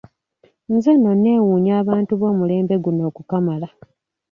Nze nno neewuunya abantu b'omulembe guno okukamala.